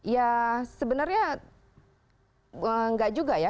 ya sebenarnya enggak juga ya